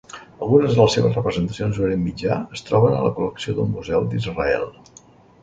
Algunes de les seves representacions d'Orient Mitjà es troben a la col·lecció del Museu d'Israel.